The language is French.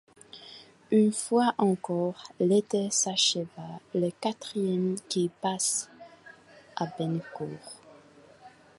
Une fois encore, l'été s'acheva, le quatrième qu'ils passaient à Bennecourt.